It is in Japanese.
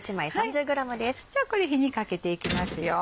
じゃあこれ火にかけていきますよ。